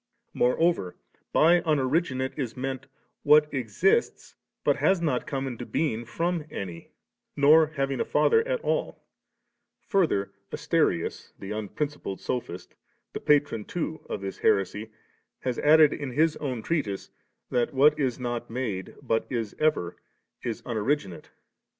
Moreover, by * unoriginate • is meant, what exists, but has not come into being from an^, nor having a father at all Furdier, Astenus, the unprincipled sophist, the patron too of this heresy, has added m his own treatise, that what is not made, but is ever, is * unoriginate «.